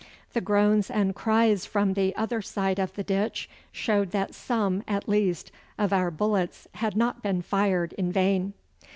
The groans and cries from the other side of the ditch showed that some, at least, of our bullets had not been fired in vain.